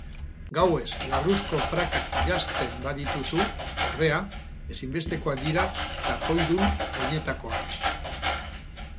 Gauez larruzko prakak janzten badituzu, ordea, ezinbestekoak dira takoidun oinetakoak.